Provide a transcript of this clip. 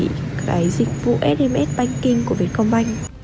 cái dịch vụ sms banking của việt con bành